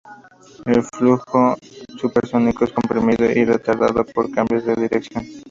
El flujo supersónico es comprimido o retardado por cambios de dirección.